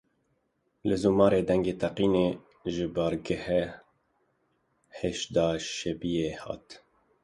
Li Zumarê dengê teqînê ji baregeha Heşda Şebiyê hat.